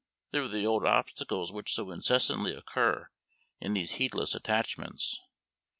There were the old obstacles which so incessantly occur in these heedless attachments.